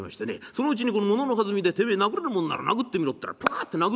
そのうちにもののはずみでてめえ殴れるもんなら殴ってみろったらポカッて殴った。